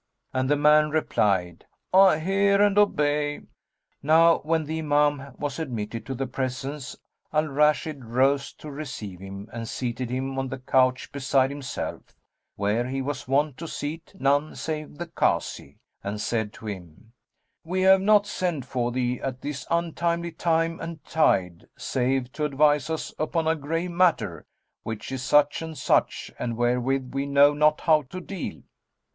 And the man replied, "I hear and obey." Now when the Imam was admitted to the presence, Al Rashid rose to receive him and seated him on the couch beside himself (where he was wont to seat none save the Kazi), and said to him, "We have not sent for thee at this untimely time and tide save to advise us upon a grave matter, which is such and such and wherewith we know not how to deal."